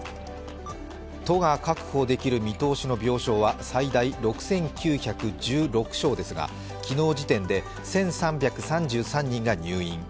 都が確保できる見通しの病床は最大７０１６床ですが昨日時点で１３３３人が入院。